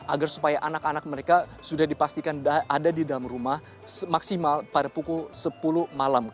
agar supaya anak anak mereka sudah dipastikan ada di dalam rumah maksimal pada pukul sepuluh malam